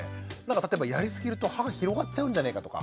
例えばやりすぎると歯が広がっちゃうんじゃねえかとか。